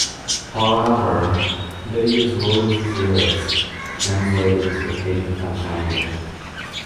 However, they used Williams' lyrics translated into the Cajun French language.